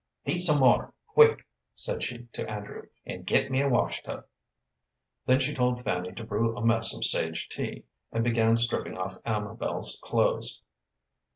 "Heat some water, quick," said she to Andrew, "and get me a wash tub." Then she told Fanny to brew a mess of sage tea, and began stripping off Amabel's clothes.